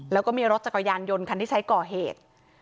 แล้วก็มีรถจักรยานยนต์คันที่ใช้ก่อเหตุ